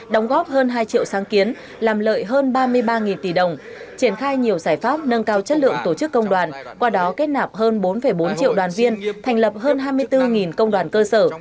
đóng góp hơn hai triệu sáng kiến làm lợi hơn ba mươi ba tỷ đồng triển khai nhiều giải pháp nâng cao chất lượng tổ chức công đoàn qua đó kết nạp hơn bốn bốn triệu đoàn viên thành lập hơn hai mươi bốn công đoàn cơ sở